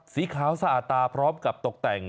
สีขาวสะอาดตาพร้อมกับตกแต่ง